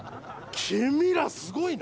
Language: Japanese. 君らすごいな！